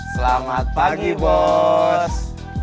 selamat pagi bos